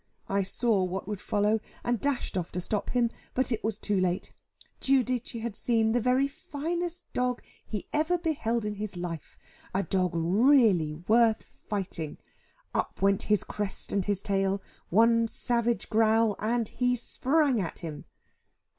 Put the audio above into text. I saw what would follow, and dashed off to stop him, but it was too late. Giudice had seen the very finest dog he ever beheld in his life a dog really worth fighting. Up went his crest and his tail, one savage growl, and he sprang at him.